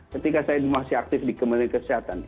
ketika saya masih aktif di kementerian kesehatan